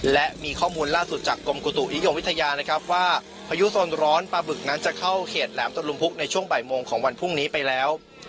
และมีข้อมูลล่าสุดจากกรมอุตุนิยมวิทยานะครับว่าพายุโซนร้อนปลาบึกนั้นจะเข้าเขตแหลมตะลุมพุกในช่วงบ่ายโมงของวันพรุ่งนี้ไปแล้ว